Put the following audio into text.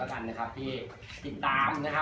ขอรับทุกคนแน็ตเติม